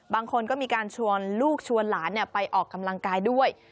บางคนก็มีการชวนลูกชวนหลานไปออกกำลังกายด้วย